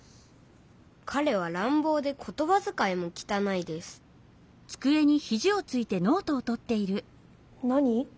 かれはらんぼうでことばづかいもきたないです何？